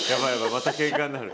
またケンカになる。